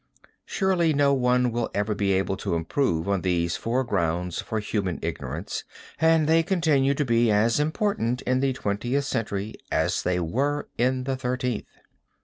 Surely no one will ever be able to improve on these four grounds for human ignorance, and they continue to be as important in the twentieth century as they were in the Thirteenth.